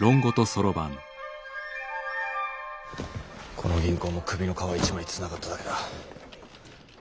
この銀行も首の皮一枚つながっただけだ。